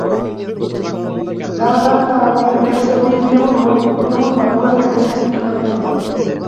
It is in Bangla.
যারা জানে, তারা বলে, ট্যাক্সের পদ্ধতি এমনভাবে করে রেখেছেন, কীভাবে দেব।